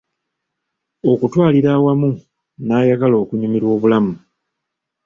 Okutwalira awamu nayagala okunyumirwa obulamu.